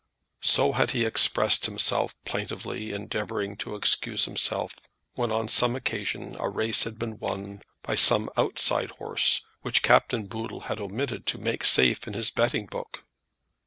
So had he expressed himself plaintively, endeavouring to excuse himself, when on some occasion a race had been won by some outside horse which Captain Boodle had omitted to make safe in his betting book.